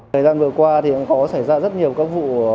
thời gian vừa qua thì cũng có xảy ra rất nhiều các vụ